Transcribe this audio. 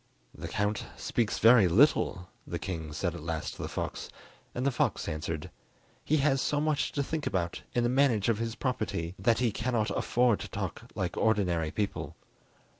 "The Count speaks very little," the king said at last to the fox, and the fox answered: "He has so much to think about in the management of his property that he cannot afford to talk like ordinary people."